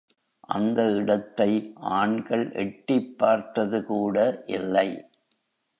அந்த இடத்தை ஆண்கள் எட்டிப்பார்த்தது கூட இல்லை.